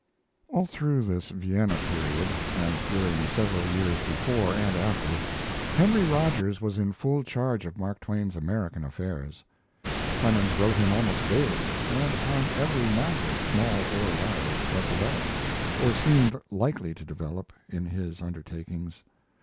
All through this Vienna period (as during several years before and after) Henry Rogers was in full charge of Mark Twain's American affairs. Clemens wrote him almost daily, and upon every matter, small or large, that developed, or seemed likely to develop, in his undertakings.